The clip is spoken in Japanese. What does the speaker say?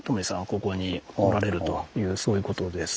ここにおられるというそういうことです。